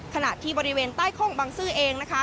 ขณะที่บริเวณใต้คล่องบังซื้อเองนะคะ